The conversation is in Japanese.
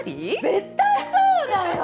絶対そうだよ！